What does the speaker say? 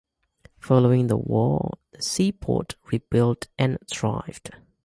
Following the war, the seaport rebuilt and thrived.